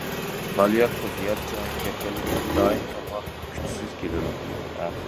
بالىياتقۇ زىيادە چوڭىيىپ كەتكەنلىكتىن دائىم تولغاق كۈچسىز كېلىدۇ.